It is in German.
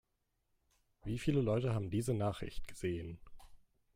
Wie viele Leute haben diese Nachricht gesehen?